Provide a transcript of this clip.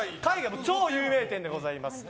超有名店でございます。